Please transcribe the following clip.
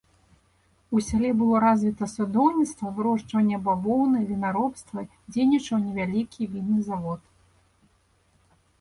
У сяле было развіта садоўніцтва, вырошчванне бавоўны, вінаробства, дзейнічаў невялікі вінны завод.